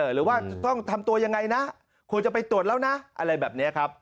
หรือว่าจะต้องทำตัวยังไงนะควรจะไปตรวจแล้วนะอะไรแบบนี้ครับ